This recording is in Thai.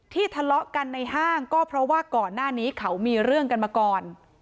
ทะเลาะกันในห้างก็เพราะว่าก่อนหน้านี้เขามีเรื่องกันมาก่อน